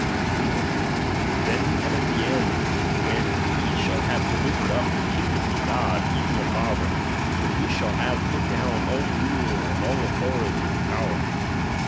24) : Then cometh the end, when he shall have delivered np the kingdom to God even the Father, when he shall have put down all rule, arid all autltority, and power.